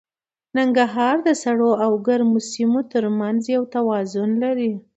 ننګرهار د سړو او ګرمو سیمو تر منځ یو توازن لري.